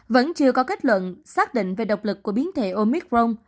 vẫn chưa có kết luận xác định về độc lực của biến thể omicron